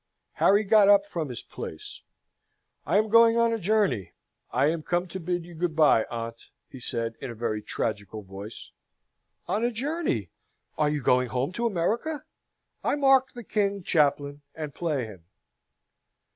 Harry got up from his place. "I am going on a journey: I am come to bid you good bye, aunt," he said, in a very tragical voice. "On a journey! Are you going home to America? I mark the king, Chaplain, and play him."